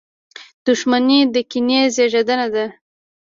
• دښمني د کینې زېږنده ده.